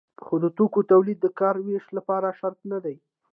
خو د توکو تولید د کار ویش لپاره شرط نه دی.